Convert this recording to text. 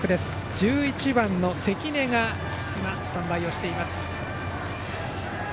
１１番の関根が今、スタンバイをしています。